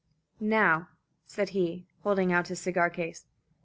"Now," said he, holding out his cigar case.